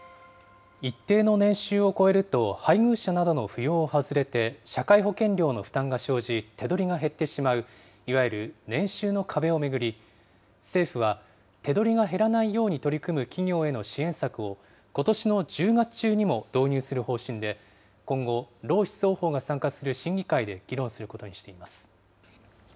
一定の年収を超えると配偶者などの扶養を外れて社会保険料の負担が生じ、手取りが減ってしまう、いわゆる年収の壁を巡り、政府は、手取りが減らないように取り組む企業への支援策を、ことしの１０月中にも導入する方針で、今後、労使双方が参加する審議会で議論することにしています。